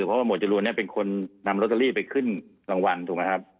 เพราะว่าหวดจรูนเป็นคนนำลอตเตอรี่ไปขึ้นรางวัลถูกไหมครับ